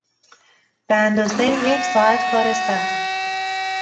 به اندازهی یک ساعت کار سخت